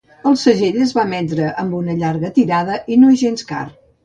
El segell es va emetre amb una llarga tirada i no és gens car.